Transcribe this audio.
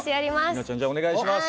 里奈ちゃんじゃあお願いします。